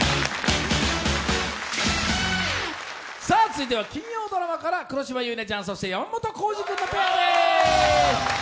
続いては金曜ドラマから黒島結菜ちゃん、そして山本耕史君のペアです。